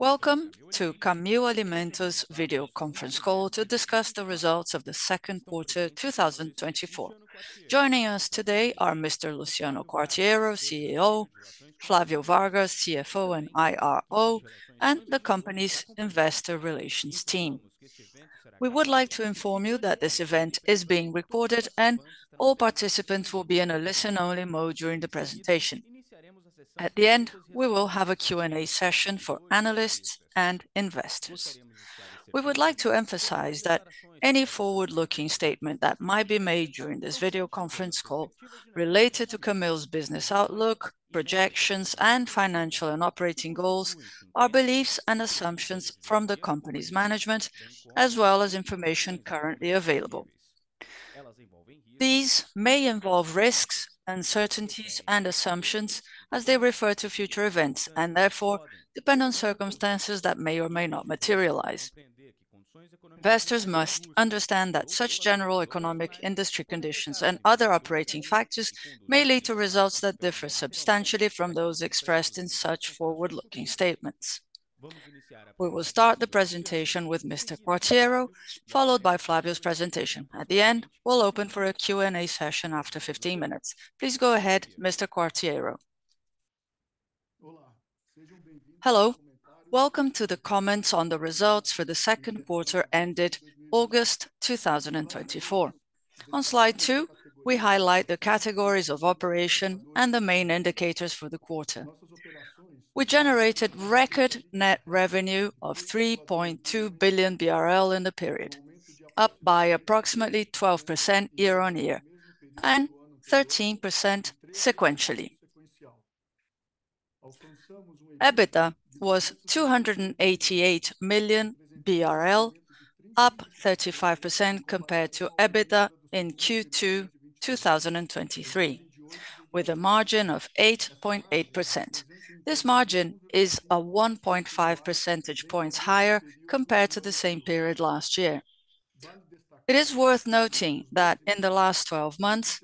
Welcome to Camil Alimentos video conference call to discuss the results of the second quarter, 2024. Joining us today are Mr. Luciano Quartiero, CEO, Flávio Vargas, CFO and IRO, and the company's investor relations team. We would like to inform you that this event is being recorded, and all participants will be in a listen-only mode during the presentation. At the end, we will have a Q&A session for analysts and investors. We would like to emphasize that any forward-looking statement that might be made during this video conference call related to Camil's business outlook, projections, and financial and operating goals, are beliefs and assumptions from the company's management, as well as information currently available. These may involve risks, uncertainties, and assumptions as they refer to future events, and therefore depend on circumstances that may or may not materialize. Investors must understand that such general economic industry conditions and other operating factors may lead to results that differ substantially from those expressed in such forward-looking statements. We will start the presentation with Mr. Quartiero, followed by Flávio's presentation. At the end, we'll open for a Q&A session after 15 minutes. Please go ahead, Mr. Quartiero. Hello, welcome to the comments on the results for the second quarter ended August 2024. On slide 2, we highlight the categories of operation and the main indicators for the quarter. We generated record net revenue of 3.2 billion BRL in the period, up by approximately 12% year-on-year, and 13% sequentially. EBITDA was BRL 288 million, up 35% compared to EBITDA in Q2 2023, with a margin of 8.8%. This margin is 1.5% points higher compared to the same period last year. It is worth noting that in the last twelve months,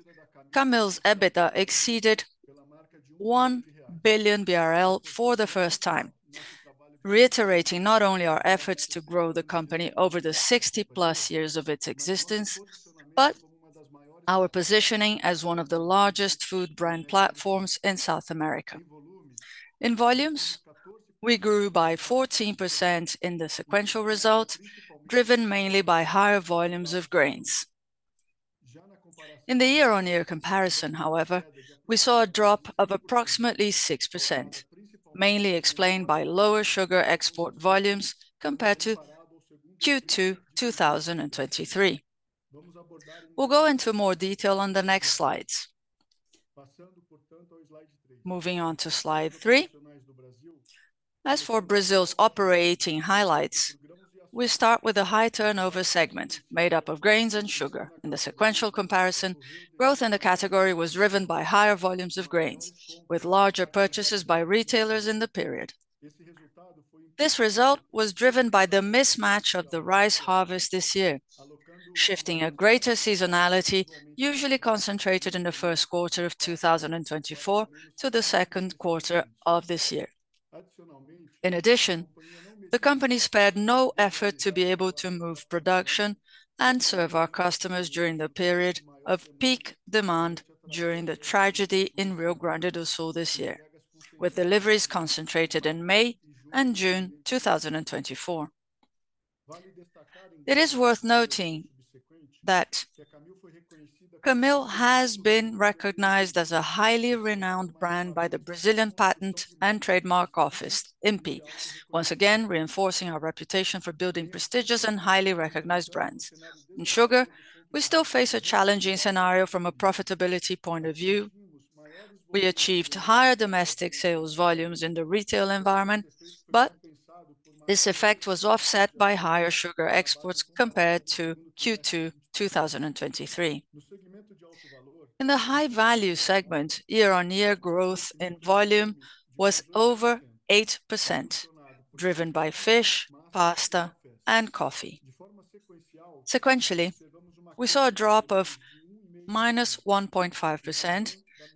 Camil's EBITDA exceeded 1 billion BRL for the first time, reiterating not only our efforts to grow the company over the sixty-plus years of its existence, but our positioning as one of the largest food brand platforms in South America. In volumes, we grew by 14% in the sequential results, driven mainly by higher volumes of grains. In the year-on-year comparison, however, we saw a drop of approximately 6%, mainly explained by lower sugar export volumes compared to Q2 2023. We'll go into more detail on the next slides. Moving on to slide three. As for Brazil's operating highlights, we start with a high turnover segment made up of grains and sugar. In the sequential comparison, growth in the category was driven by higher volumes of grains, with larger purchases by retailers in the period. This result was driven by the mismatch of the rice harvest this year, shifting a greater seasonality, usually concentrated in the first quarter of 2024 to the second quarter of this year. In addition, the company spared no effort to be able to move production and serve our customers during the period of peak demand during the tragedy in Rio Grande do Sul this year, with deliveries concentrated in May and June, 2024. It is worth noting that Camil has been recognized as a highly renowned brand by the Brazilian Patent and Trademark Office, INPI, once again, reinforcing our reputation for building prestigious and highly recognized brands. In sugar, we still face a challenging scenario from a profitability point of view. We achieved higher domestic sales volumes in the retail environment, but this effect was offset by higher sugar exports compared to Q2, 2023. In the high-value segment, year-on-year growth in volume was over 8%, driven by fish, pasta, and coffee. Sequentially, we saw a drop of minus 1.5%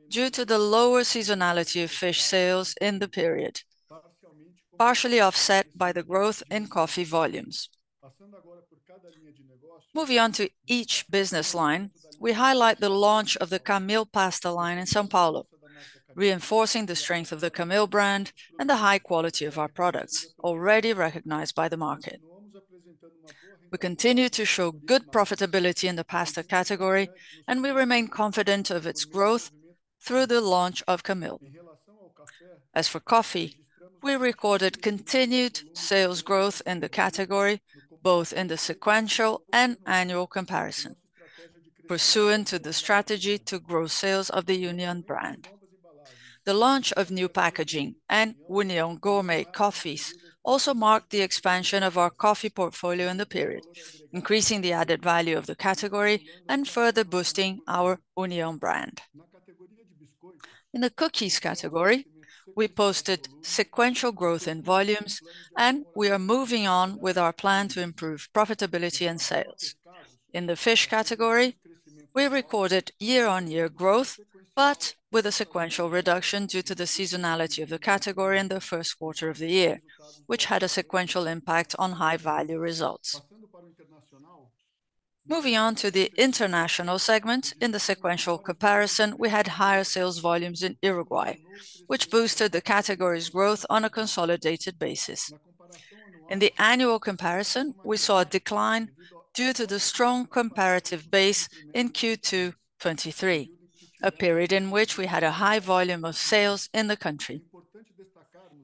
due to the lower seasonality of fish sales in the period, partially offset by the growth in coffee volumes. Moving on to each business line, we highlight the launch of the Camil Pasta line in São Paulo, reinforcing the strength of the Camil brand and the high quality of our products, already recognized by the market. We continue to show good profitability in the pasta category, and we remain confident of its growth through the launch of Camil. As for coffee, we recorded continued sales growth in the category, both in the sequential and annual comparison, pursuant to the strategy to grow sales of the Union brand. The launch of new packaging and Union gourmet coffees also marked the expansion of our coffee portfolio in the period, increasing the added value of the category and further boosting our Union brand. In the cookies category, we posted sequential growth in volumes, and we are moving on with our plan to improve profitability and sales. In the fish category, we recorded year-on-year growth, but with a sequential reduction due to the seasonality of the category in the first quarter of the year, which had a sequential impact on high-value results. Moving on to the international segment, in the sequential comparison, we had higher sales volumes in Uruguay, which boosted the category's growth on a consolidated basis. In the annual comparison, we saw a decline due to the strong comparative base in Q2 2023, a period in which we had a high volume of sales in the country.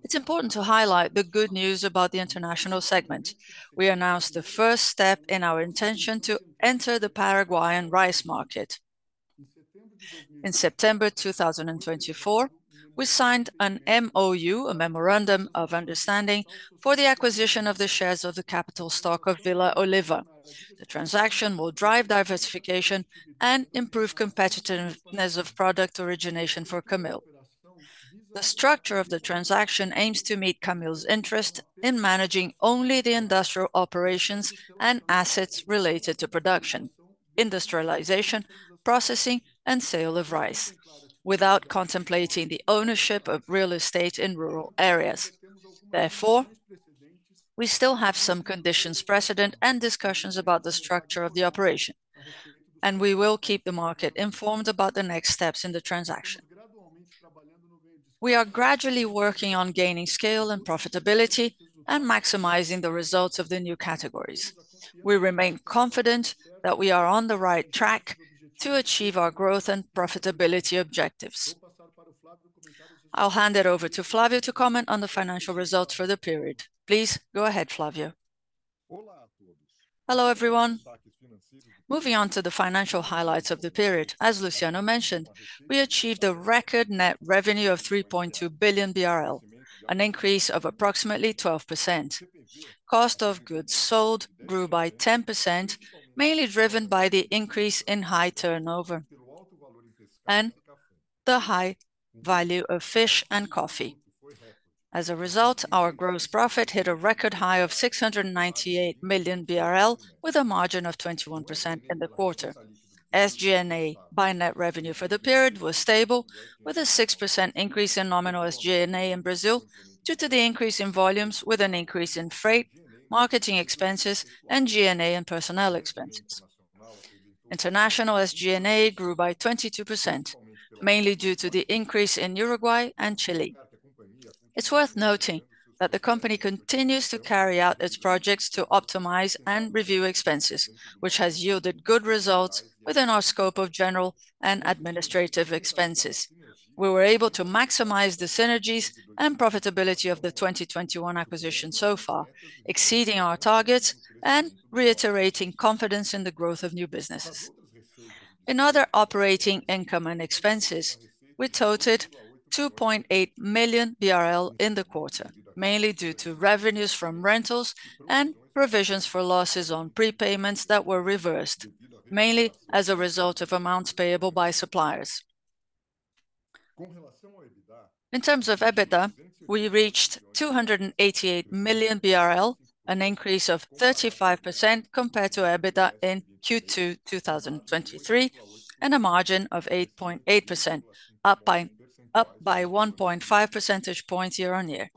It's important to highlight the good news about the international segment. We announced the first step in our intention to enter the Paraguayan rice market. In September 2024, we signed an MOU, a Memorandum of Understanding, for the acquisition of the shares of the capital stock of Villa Oliva. The transaction will drive diversification and improve competitiveness of product origination for Camil. The structure of the transaction aims to meet Camil's interest in managing only the industrial operations and assets related to production, industrialization, processing, and sale of rice, without contemplating the ownership of real estate in rural areas. Therefore, we still have some conditions precedent and discussions about the structure of the operation, and we will keep the market informed about the next steps in the transaction. We are gradually working on gaining scale and profitability and maximizing the results of the new categories. We remain confident that we are on the right track to achieve our growth and profitability objectives. I'll hand it over to Flávio to comment on the financial results for the period. Please go ahead, Flávio. Hello, everyone. Moving on to the financial highlights of the period, as Luciano mentioned, we achieved a record net revenue of 3.2 billion BRL, an increase of approximately 12%. Cost of goods sold grew by 10%, mainly driven by the increase in high turnover and the high value of fish and coffee. As a result, our gross profit hit a record high of 698 million BRL, with a margin of 21% in the quarter. SG&A by net revenue for the period was stable, with a 6% increase in nominal SG&A in Brazil, due to the increase in volumes, with an increase in freight, marketing expenses, and G&A and personnel expenses. International SG&A grew by 22%, mainly due to the increase in Uruguay and Chile. It's worth noting that the company continues to carry out its projects to optimize and review expenses, which has yielded good results within our scope of general and administrative expenses. We were able to maximize the synergies and profitability of the 2021 acquisition so far, exceeding our targets and reiterating confidence in the growth of new businesses. In other operating income and expenses, we totaled 2.8 million BRL in the quarter, mainly due to revenues from rentals and provisions for losses on prepayments that were reversed, mainly as a result of amounts payable by suppliers. In terms of EBITDA, we reached 288 million BRL, an increase of 35% compared to EBITDA in Q2, 2023, and a margin of 8.8%, up by 1.5 percentage points year-on-year.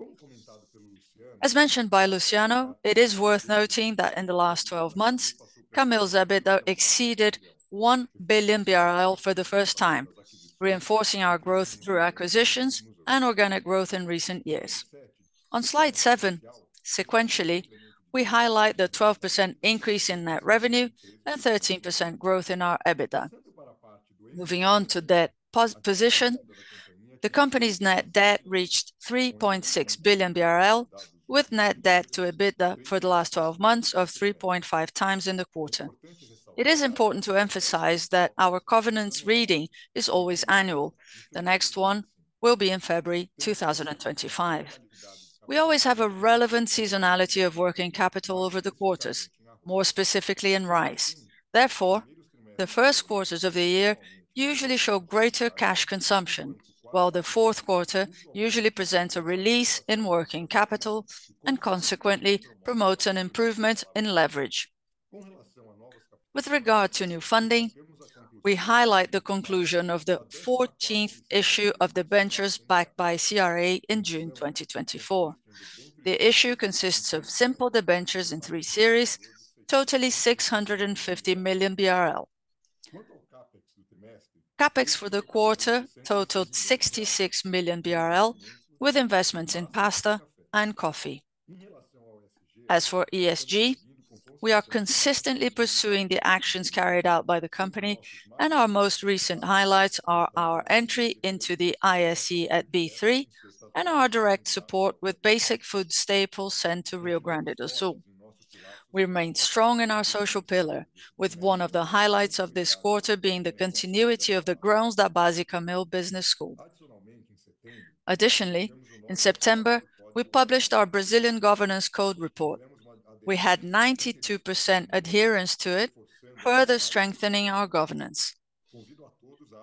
As mentioned by Luciano, it is worth noting that in the last 12 months, Camil's EBITDA exceeded 1 billion BRL for the first time, reinforcing our growth through acquisitions and organic growth in recent years. On slide 7, sequentially, we highlight the 12% increase in net revenue and 13% growth in our EBITDA. Moving on to debt position, the company's net debt reached 3.6 billion BRL, with net debt to EBITDA for the last twelve months of 3.5 times in the quarter. It is important to emphasize that our covenant reading is always annual. The next one will be in February 2025. We always have a relevant seasonality of working capital over the quarters, more specifically in rice. Therefore, the first quarters of the year usually show greater cash consumption, while the fourth quarter usually presents a release in working capital, and consequently promotes an improvement in leverage. With regard to new funding, we highlight the conclusion of the fourteenth issue of the debentures backed by CRA in June 2024. The issue consists of simple debentures in three series, totally 650 million BRL. CapEx for the quarter totaled 66 million BRL, with investments in pasta and coffee. As for ESG, we are consistently pursuing the actions carried out by the company, and our most recent highlights are our entry into the ISE at B3, and our direct support with basic food staples sent to Rio Grande do Sul. We remain strong in our social pillar, with one of the highlights of this quarter being the continuity of the Grãos de Base Camil Business School. Additionally, in September, we published our Brazilian Governance Code report. We had 92% adherence to it, further strengthening our governance.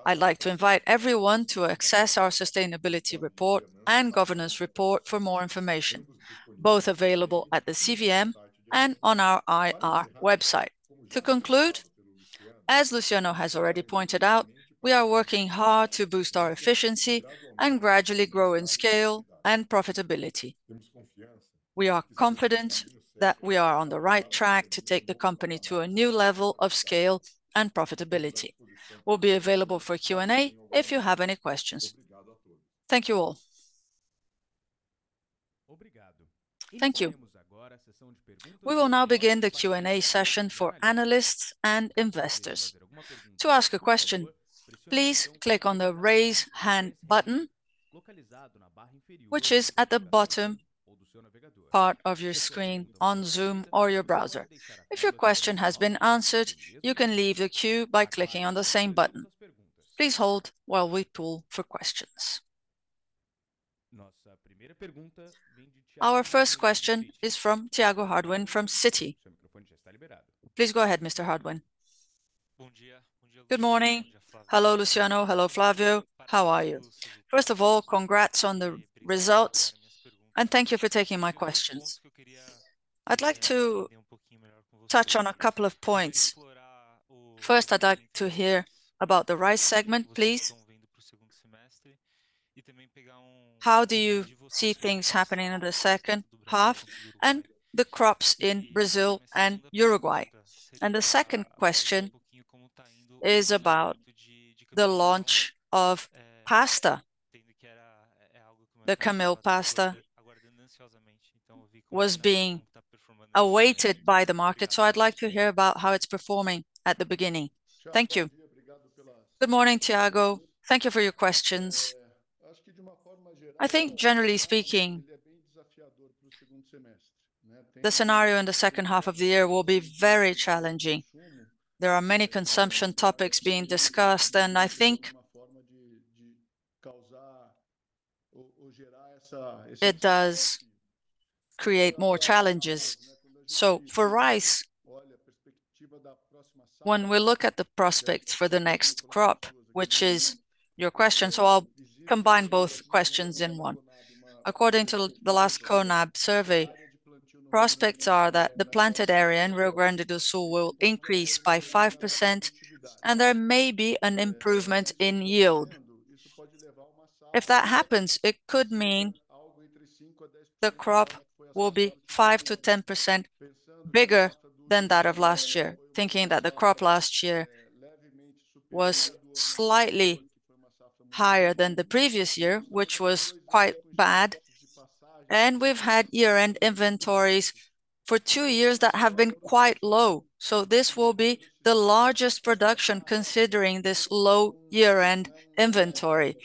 I'd like to invite everyone to access our sustainability report and governance report for more information, both available at the CVM and on our IR website. To conclude, as Luciano has already pointed out, we are working hard to boost our efficiency and gradually grow in scale and profitability. We are confident that we are on the right track to take the company to a new level of scale and profitability. We'll be available for Q&A if you have any questions. Thank you all. Thank you. We will now begin the Q&A session for analysts and investors. To ask a question, please click on the Raise Hand button, which is at the bottom part of your screen on Zoom or your browser. If your question has been answered, you can leave the queue by clicking on the same button. Please hold while we poll for questions. Our first question is from Tiago Harduim from Citi. Please go ahead, Mr. Harduim. Good morning. Hello, Luciano. Hello, Flávio. How are you? First of all, congrats on the results, and thank you for taking my questions. I'd like to touch on a couple of points. First, I'd like to hear about the rice segment, please. How do you see things happening in the second half, and the crops in Brazil and Uruguay? And the second question is about the launch of pasta. The Camil pasta was being awaited by the market, so I'd like to hear about how it's performing at the beginning. Thank you. Good morning, Tiago. Thank you for your questions. I think generally speaking, the scenario in the second half of the year will be very challenging. There are many consumption topics being discussed, and I think it does create more challenges. So for rice, when we look at the prospects for the next crop, which is your question, so I'll combine both questions in one. According to the last CONAB survey, prospects are that the planted area in Rio Grande do Sul will increase by 5%, and there may be an improvement in yield. If that happens, it could mean the crop will be 5%-10% bigger than that of last year, thinking that the crop last year was slightly higher than the previous year, which was quite bad, and we've had year-end inventories for two years that have been quite low, so this will be the largest production, considering this low year-end inventory.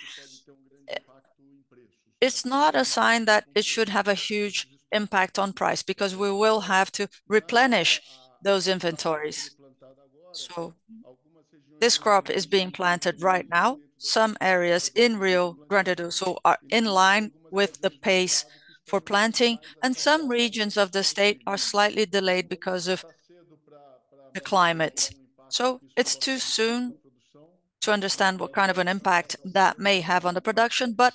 It's not a sign that it should have a huge impact on price, because we will have to replenish those inventories, so this crop is being planted right now. Some areas in Rio Grande do Sul are in line with the pace for planting, and some regions of the state are slightly delayed because of the climate. So it's too soon to understand what kind of an impact that may have on the production, but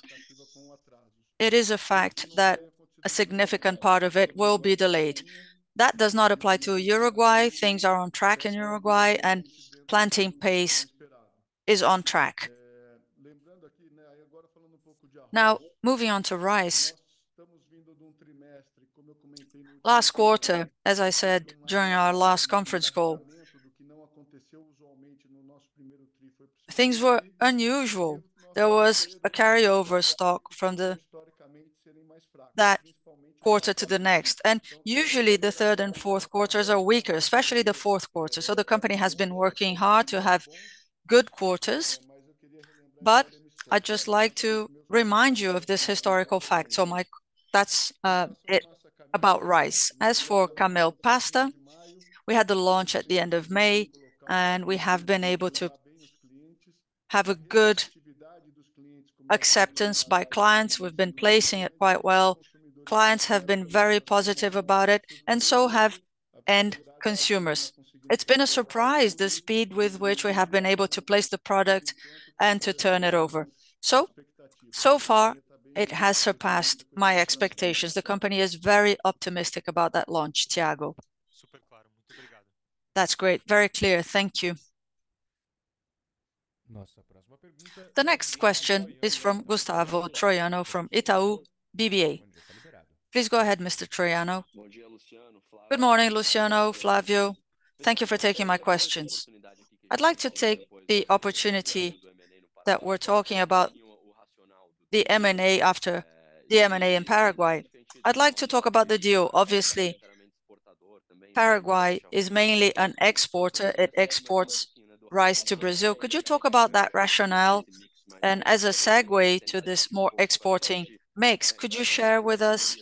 it is a fact that a significant part of it will be delayed. That does not apply to Uruguay. Things are on track in Uruguay, and planting pace is on track. Now, moving on to rice. Last quarter, as I said, during our last conference call, things were unusual. There was a carryover stock from that quarter to the next, and usually the third and fourth quarters are weaker, especially the fourth quarter. So the company has been working hard to have good quarters, but I'd just like to remind you of this historical fact. So Tiago, that's it about rice. As for Camil pasta, we had the launch at the end of May, and we have been able to have a good acceptance by clients. We've been placing it quite well. Clients have been very positive about it, and so have end consumers. It's been a surprise, the speed with which we have been able to place the product and to turn it over. So, so far, it has surpassed my expectations. The company is very optimistic about that launch, Tiago. That's great. Very clear. Thank you. The next question is from Gustavo Troyano, from Itaú BBA. Please go ahead, Mr. Troiano. Good morning, Luciano, Flávio. Thank you for taking my questions. I'd like to take the opportunity that we're talking about the M&A after the M&A in Paraguay. I'd like to talk about the deal. Obviously, Paraguay is mainly an exporter. It exports rice to Brazil. Could you talk about that rationale? And as a segue to this more exporting mix, could you share with us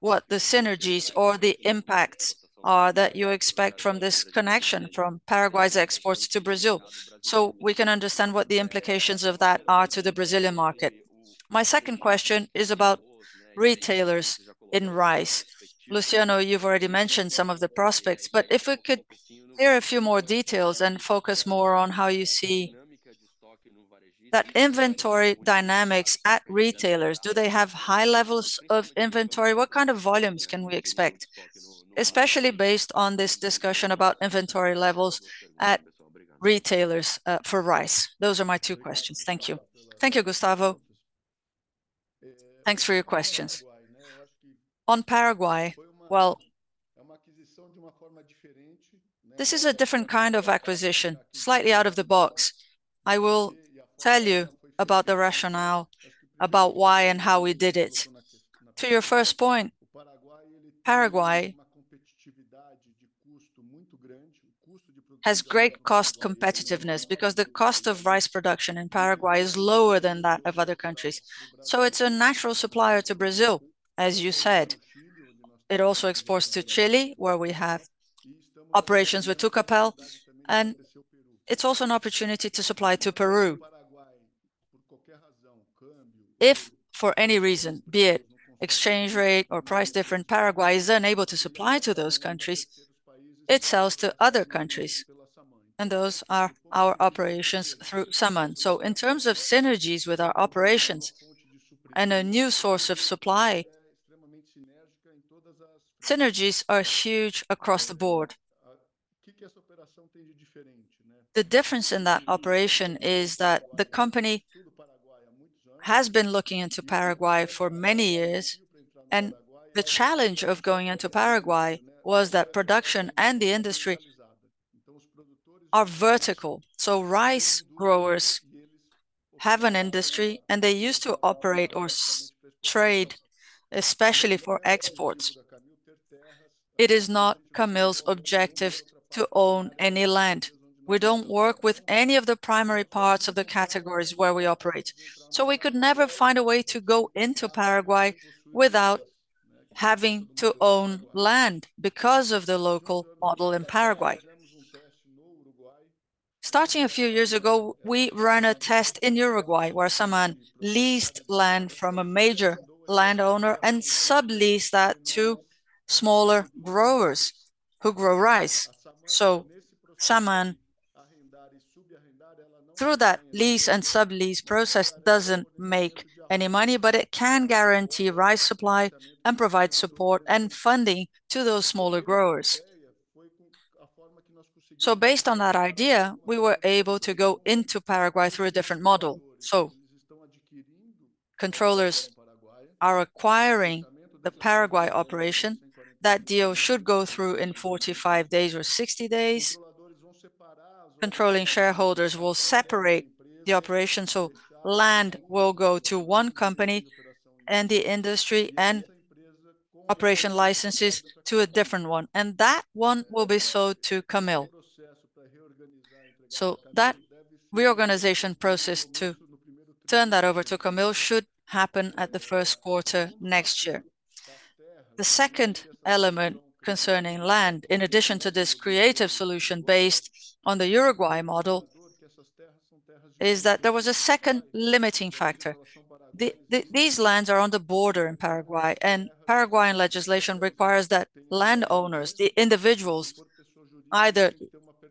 what the synergies or the impacts are that you expect from this connection from Paraguay's exports to Brazil, so we can understand what the implications of that are to the Brazilian market? My second question is about retailers in rice. Luciano, you've already mentioned some of the prospects, but if we could hear a few more details and focus more on how you see that inventory dynamics at retailers. Do they have high levels of inventory? What kind of volumes can we expect, especially based on this discussion about inventory levels at retailers, for rice? Those are my two questions. Thank you. Thank you, Gustavo. Thanks for your questions. On Paraguay, well, this is a different kind of acquisition, slightly out of the box. I will tell you about the rationale about why and how we did it. To your first point, Paraguay has great cost competitiveness, because the cost of rice production in Paraguay is lower than that of other countries. So it's a natural supplier to Brazil, as you said. It also exports to Chile, where we have operations with Tucapel, and it's also an opportunity to supply to Peru. If for any reason, be it exchange rate or price difference, Paraguay is unable to supply to those countries, it sells to other countries, and those are our operations through Saman. So in terms of synergies with our operations and a new source of supply, synergies are huge across the board. The difference in that operation is that the company has been looking into Paraguay for many years, and the challenge of going into Paraguay was that production and the industry are vertical. So rice growers have an industry, and they used to operate or trade, especially for exports. It is not Camil's objective to own any land. We don't work with any of the primary parts of the categories where we operate, so we could never find a way to go into Paraguay without having to own land because of the local model in Paraguay. Starting a few years ago, we ran a test in Uruguay, where Saman leased land from a major landowner and subleased that to smaller growers who grow rice. So Saman, through that lease and sublease process, doesn't make any money, but it can guarantee rice supply and provide support and funding to those smaller growers. So based on that idea, we were able to go into Paraguay through a different model. So controllers are acquiring the Paraguay operation. That deal should go through in 45 days or 60 days. Controlling shareholders will separate the operation, so land will go to one company, and the industry and operation licenses to a different one, and that one will be sold to Camil. So that reorganization process to turn that over to Camil should happen at the first quarter next year. The second element concerning land, in addition to this creative solution based on the Uruguay model, is that there was a second limiting factor. These lands are on the border in Paraguay, and Paraguayan legislation requires that landowners, the individuals, either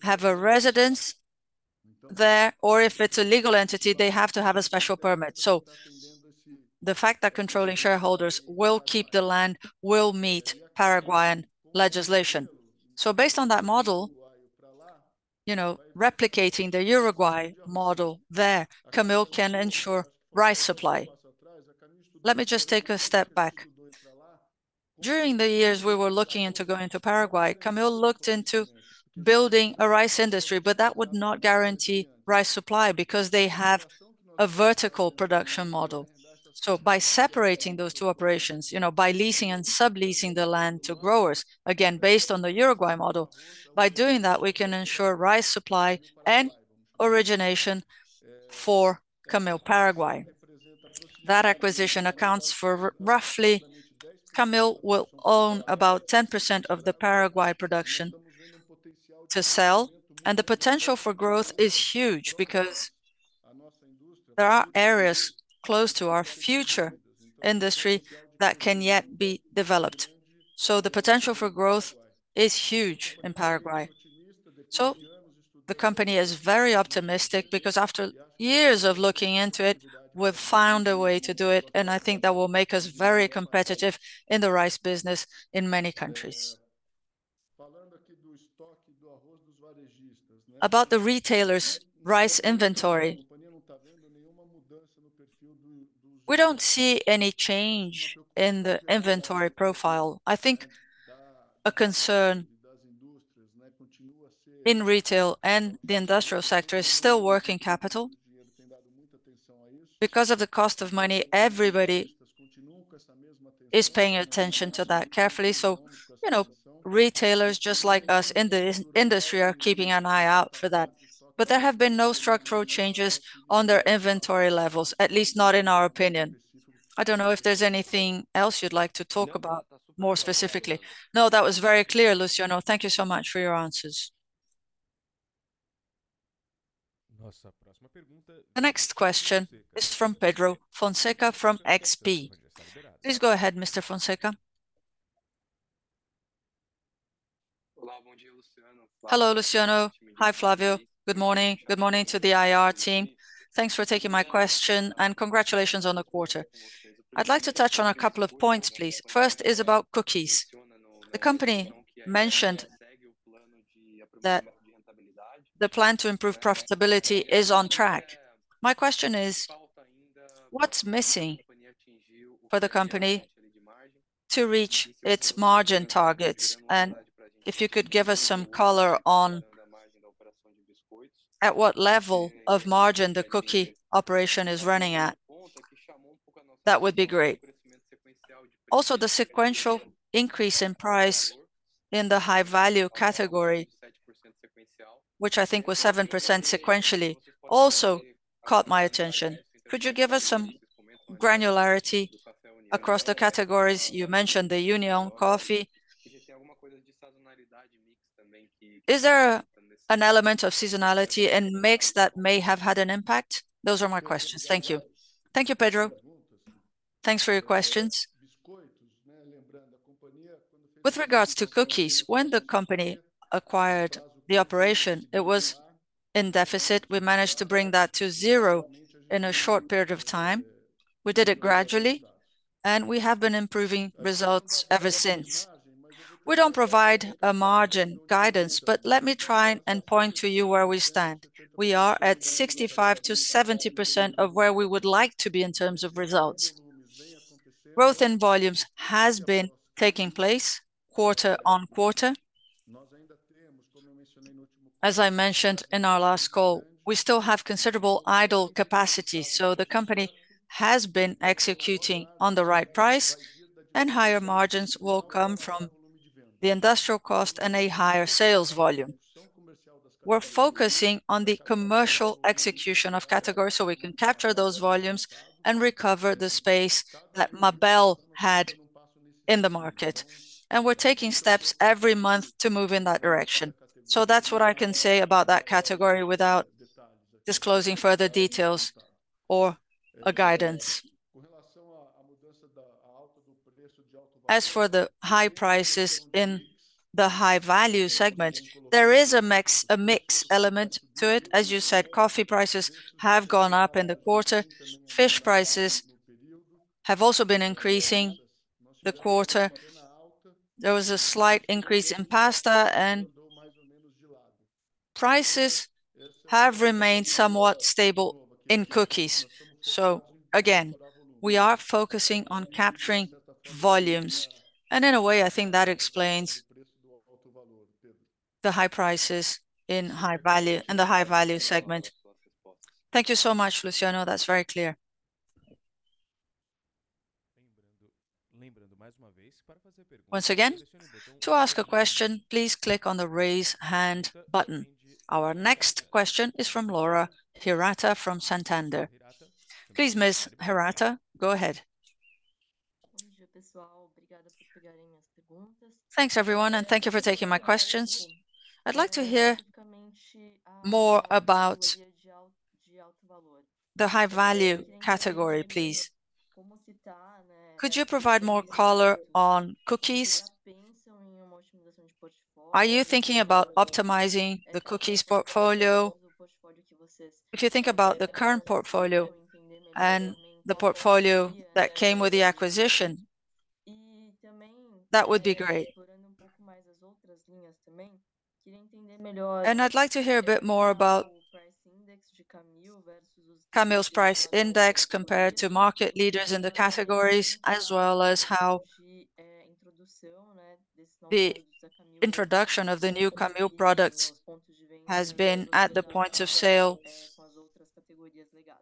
have a residence there, or if it's a legal entity, they have to have a special permit. So the fact that controlling shareholders will keep the land will meet Paraguayan legislation. So based on that model, you know, replicating the Uruguay model, there, Camil can ensure rice supply. Let me just take a step back. During the years we were looking into going to Paraguay, Camil looked into building a rice industry, but that would not guarantee rice supply because they have a vertical production model. So by separating those two operations, you know, by leasing and subleasing the land to growers, again, based on the Uruguay model, by doing that, we can ensure rice supply and origination for Camil Paraguay. That acquisition accounts for roughly... Camil will own about 10% of the Paraguay production to sell, and the potential for growth is huge because there are areas close to our future industry that can yet be developed. So the potential for growth is huge in Paraguay. So the company is very optimistic because after years of looking into it, we've found a way to do it, and I think that will make us very competitive in the rice business in many countries. About the retailers' rice inventory, we don't see any change in the inventory profile. I think a concern in retail and the industrial sector is still working capital. Because of the cost of money, everybody is paying attention to that carefully. So, you know, retailers, just like us in the industry, are keeping an eye out for that. But there have been no structural changes on their inventory levels, at least not in our opinion. I don't know if there's anything else you'd like to talk about more specifically. No, that was very clear, Luciano. Thank you so much for your answers. The next question is from Pedro Fonseca from XP. Please go ahead, Mr. Fonseca. Hello, Luciano. Hi, Flávio. Good morning. Good morning to the IR team. Thanks for taking my question, and congratulations on the quarter. I'd like to touch on a couple of points, please. First is about cookies. The company mentioned that the plan to improve profitability is on track. My question is, what's missing for the company to reach its margin targets? And if you could give us some color on, at what level of margin the cookie operation is running at, that would be great. Also, the sequential increase in price in the high-value category, which I think was 7% sequentially, also caught my attention. Could you give us some granularity across the categories? You mentioned the Union coffee. Is there an element of seasonality and mix that may have had an impact? Those are my questions. Thank you. Thank you, Pedro. Thanks for your questions. With regards to cookies, when the company acquired the operation, it was in deficit. We managed to bring that to zero in a short period of time. We did it gradually, and we have been improving results ever since. We don't provide a margin guidance, but let me try and point to you where we stand. We are at 65%-70% of where we would like to be in terms of results. Growth in volumes has been taking place quarter on quarter. As I mentioned in our last call, we still have considerable idle capacity, so the company has been executing on the right price, and higher margins will come from the industrial cost and a higher sales volume. We're focusing on the commercial execution of categories, so we can capture those volumes and recover the space that Mabel had in the market, and we're taking steps every month to move in that direction. So that's what I can say about that category without disclosing further details or a guidance. As for the high prices in the high-value segment, there is a mix element to it. As you said, coffee prices have gone up in the quarter. Fish prices have also been increasing in the quarter. There was a slight increase in pasta, and prices have remained somewhat stable in cookies. So again, we are focusing on capturing volumes, and in a way, I think that explains the high prices in the high-value segment. Thank you so much, Luciano. That's very clear. Once again, to ask a question, please click on the Raise Hand button. Our next question is from Laura Hirata, from Santander. Please, Ms. Hirata, go ahead. Thanks, everyone, and thank you for taking my questions. I'd like to hear more about the high-value category, please. Could you provide more color on cookies? Are you thinking about optimizing the cookies portfolio? If you think about the current portfolio and the portfolio that came with the acquisition, that would be great. I’d like to hear a bit more about Camil’s price index compared to market leaders in the categories, as well as how the introduction of the new Camil products has been at the points of sale,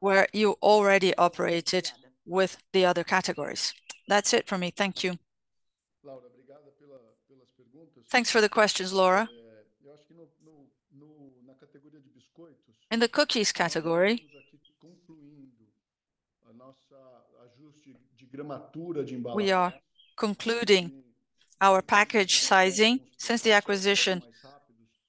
where you already operated with the other categories. That’s it for me. Thank you. Thanks for the questions, Laura. In the cookies category, we are concluding our package sizing. Since the acquisition,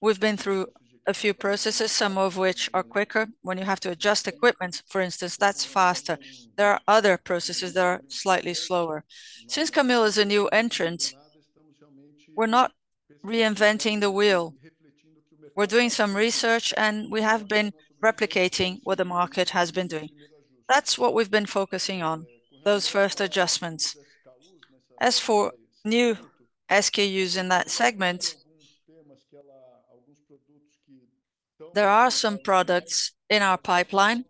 we’ve been through a few processes, some of which are quicker. When you have to adjust equipment, for instance, that’s faster. There are other processes that are slightly slower. Since Camil is a new entrant, we’re not reinventing the wheel. We’re doing some research, and we have been replicating what the market has been doing. That’s what we’ve been focusing on, those first adjustments. As for new SKUs in that segment, there are some products in our pipeline,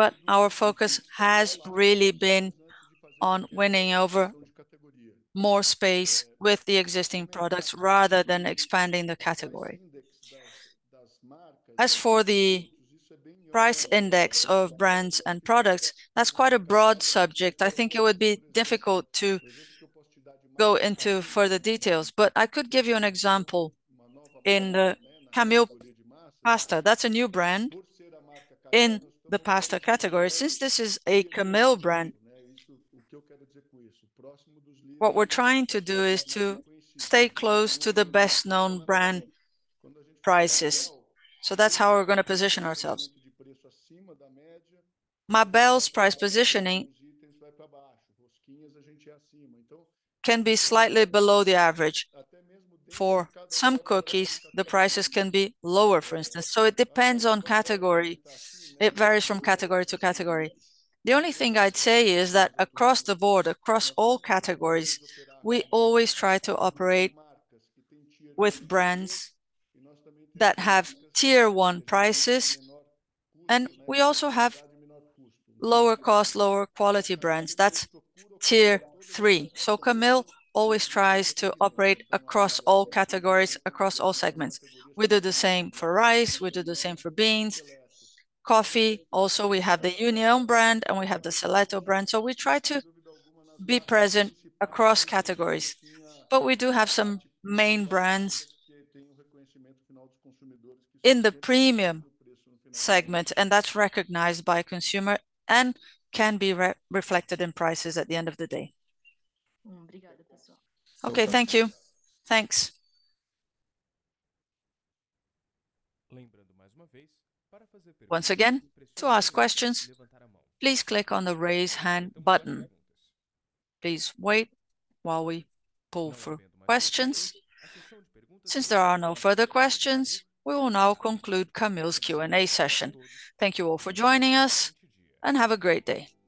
but our focus has really been on winning over more space with the existing products rather than expanding the category. As for the price index of brands and products, that's quite a broad subject. I think it would be difficult to go into further details, but I could give you an example. In the Camil pasta, that's a new brand in the pasta category. Since this is a Camil brand, what we're trying to do is to stay close to the best-known brand prices. So that's how we're going to position ourselves. Mabel's price positioning can be slightly below the average. For some cookies, the prices can be lower, for instance. So it depends on category. It varies from category to category. The only thing I'd say is that across the board, across all categories, we always try to operate with brands that have tier-one prices, and we also have lower-cost, lower-quality brands. That's tier three. So Camil always tries to operate across all categories, across all segments. We do the same for rice, we do the same for beans. Coffee, also, we have the Union brand, and we have the Seleto brand, so we try to be present across categories. But we do have some main brands in the premium segment, and that's recognized by consumer and can be reflected in prices at the end of the day. Okay, thank you. Thanks. Once again, to ask questions, please click on the Raise Hand button. Please wait while we pull through questions. Since there are no further questions, we will now conclude Camil's Q&A session. Thank you all for joining us, and have a great day.